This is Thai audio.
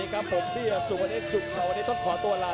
กันต่อแพทย์จินดอร์